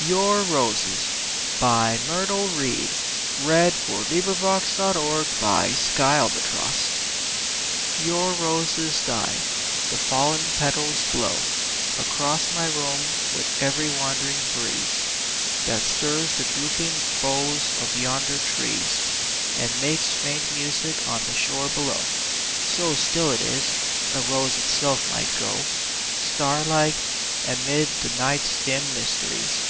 y blood — I love thee as the sea hath loved the moon! l^our IRoses OUR roses die; the fallen petals blow Across my room with every wandering breeze That stirs the drooping boughs of yonder trees And makes faint music on the shore below ; So still it is, a rose itself might go Star like, amid the night's dim mys teries.